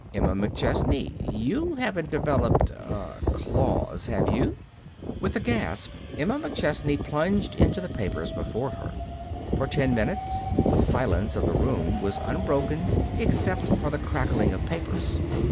"Emma McChesney, you haven't developed er claws, have you?" With a gasp, Emma McChesney plunged into the papers before her. For ten minutes, the silence of the room was unbroken except for the crackling of papers.